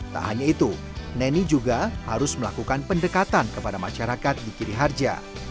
tak hanya itu neni juga harus melakukan pendekatan kepada masyarakat di kiri harja